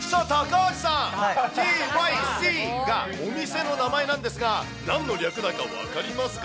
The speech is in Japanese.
実はＴＹＣがお店の名前なんですが、なんの略だか分かりますか？